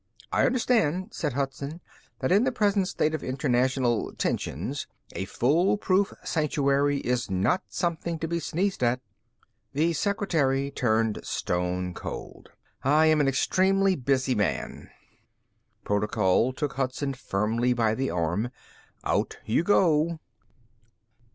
"I understand," said Hudson, "that in the present state of international tensions, a foolproof sanctuary is not something to be sneezed at." The secretary turned stone cold. "I'm an extremely busy man." Protocol took Hudson firmly by the arm. "Out you go."